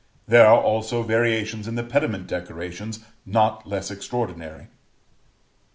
There are also variations in the pediment decorations not less extraordinary. XVIII.